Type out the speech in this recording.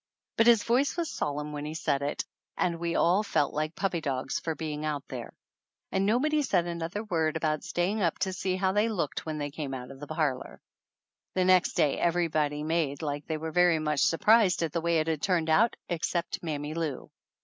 But his voice was solemn when he said it, and we all felt like puppy dogs for being out there. And nobody said another word about staying up to see how they looked when they came out of the parlor. The next day everybody made like they were very much surprised at the way it had turned out except Mammy Lou.